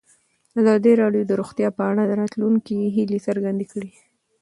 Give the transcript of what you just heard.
ازادي راډیو د روغتیا په اړه د راتلونکي هیلې څرګندې کړې.